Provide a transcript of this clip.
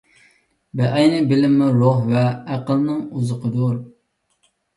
بەئەينى، بىلىممۇ روھ ۋە ئەقىلنىڭ ئوزۇقىدۇر.